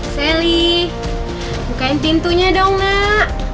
sally bukain pintunya dong mak